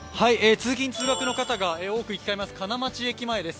通勤・通学の方が多く行き交います、金町駅前です。